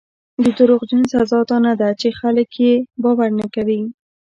د دروغجن سزا دا نه ده چې خلک یې باور نه کوي.